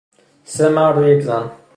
سه مرد و یک زن